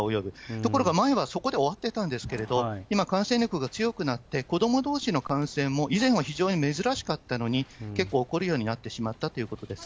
ところが前はそこで終わってたんですけれども、今、感染力が強くなって、子どもどうしの感染も以前は非常に珍しかったのに、結構起こるようになってしまったということです。